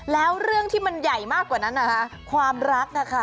แล้วเรื่องที่มันใหญ่มากกว่านั้นนะคะความรักนะคะ